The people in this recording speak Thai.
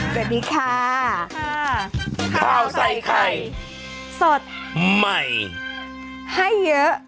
ปุ๋ยาและแแลมธรรมดาคุณกำลังจบเพียงการต่ออุตสาน